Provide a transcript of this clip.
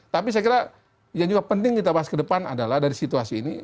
tapi saya kira yang juga penting kita bahas ke depan adalah dari situasi ini